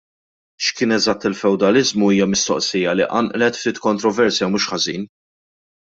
X'kien eżatt il-fewdaliżmu hija mistoqsija li qanqlet ftit kontroversja mhux ħażin.